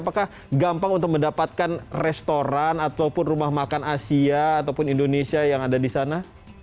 apakah gampang untuk mendapatkan restoran ataupun rumah makan asia ataupun indonesia yang ada di sana